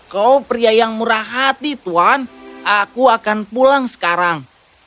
kau pria yang murah hati tuan aku akan pulang sekarang